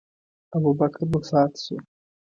ابوبکر وفات شو.